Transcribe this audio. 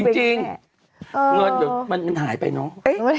จริงเงินมันหายไปเนอะ